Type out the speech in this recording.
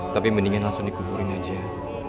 tapi mendingan langsung dikuburin aja